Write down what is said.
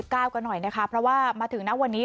กันหน่อยนะคะเพราะว่ามาถึงณวันนี้